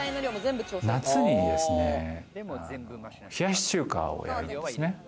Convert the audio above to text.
夏にですね、冷やし中華をやるんですね。